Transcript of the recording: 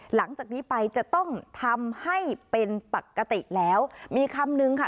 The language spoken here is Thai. หลังจากนี้ไปจะต้องทำให้เป็นปกติแล้วมีคำนึงค่ะ